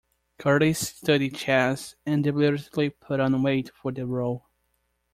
Curtis studied chess and deliberately put on weight for the role.